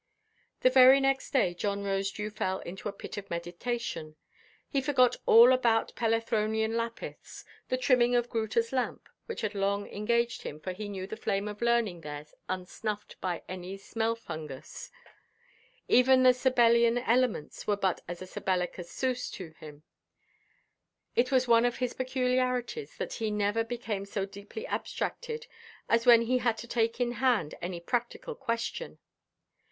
The very next day John Rosedew fell into a pit of meditation. He forgot all about Pelethronian Lapiths, the trimming of Gruterʼs lamp (which had long engaged him; for he knew the flame of learning there unsnuffed by any Smelfungus): even the Sabellian elements were but as sabellicus sus to him. It was one of his peculiarities, that he never became so deeply abstracted as when he had to take in hand any practical question.